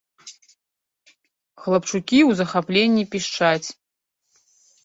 Хлапчукі ў захапленні пішчаць.